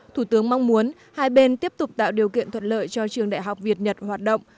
thủ tướng mong muốn hai bên tiếp tục tạo điều kiện thuận lợi cho trường đại học việt nhật hoạt động